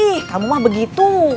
ih kamu mah begitu